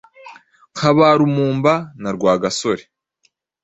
nka ba Lumumba na Rwagasore.